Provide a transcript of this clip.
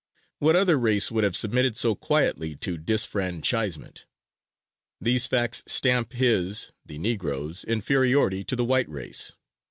What other race would have submitted so quietly to disfranchisement? These facts stamp his (the Negro's) inferiority to the white race."